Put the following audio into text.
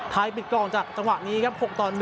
ไทยปิดกรองจากจังหวัดนี้ครับ